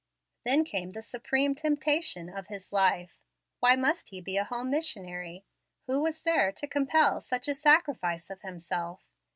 Then came the supreme temptation of his life. Why must he be a home missionary? Who was there to compel such a sacrifice of himself?